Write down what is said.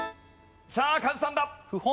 さあカズさんだ。